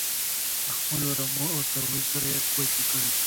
له خپلو رمو او څارویو سره یې کوچ کړی.